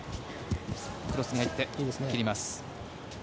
クロスに入って切ります。